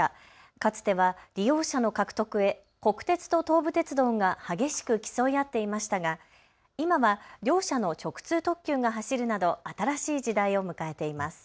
かつては利用者の獲得へ国鉄と東武鉄道が激しく競い合っていましたが今は両社の直通特急が走るなど新しい時代を迎えています。